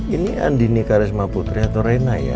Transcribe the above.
ini andini karisma putri atau rena ya